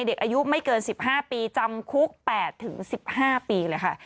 เด็กอายุไม่เกิน๑๕ปีจำคุก๘๑๕ปีเลยค่ะ